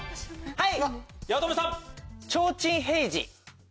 はい。